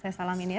saya salamin ya